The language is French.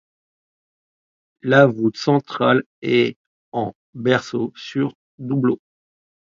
La voûte centrale est en berceau sur doubleaux.